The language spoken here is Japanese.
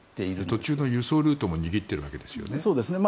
途中の輸送ルートも握っているわけですよね。